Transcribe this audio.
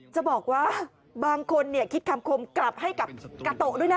จะบอกว่าบางคนคิดคำคมกลับให้กับกาโตะด้วยนะ